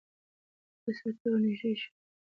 جسد د ته ورنېږدې شو.